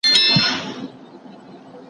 ښوونې د ماشوم مهارتونه لوړوي.